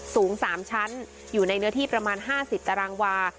สูง๓ชั้นอยู่ในเนื้อที่ประมาณ๕๐ตารางวา